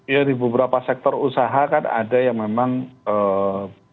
ya di beberapa sektor usaha kan ada yang memang